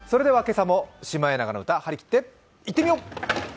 それでは今朝も「シマエナガの歌」はりきっていってみよう！